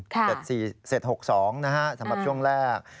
เสร็จ๖๒นะฮะสำหรับช่วงแรก